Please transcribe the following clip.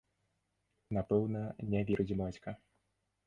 Напэўна, не верыць бацька.